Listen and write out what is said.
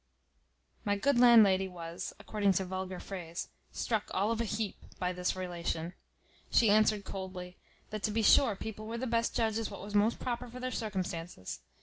My good landlady was (according to vulgar phrase) struck all of a heap by this relation. She answered coldly, "That to be sure people were the best judges what was most proper for their circumstances.